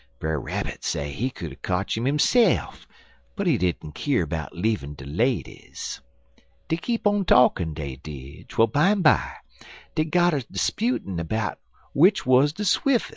Brer Rabbit say he could er kotch 'im hisse'f but he didn't keer 'bout leavin' de ladies. Dey keep on talkin', dey did, twel bimeby dey gotter 'sputin' 'bout w'ich wuz de swif'es'.